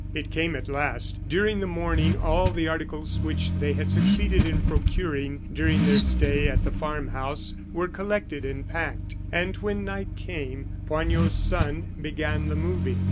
It came at last. During the morning all the articles which they had succeeded in procuring during their stay at the farm house were collected and packed; and when night came, Poignot's son began the moving.